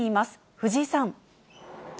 藤井さん。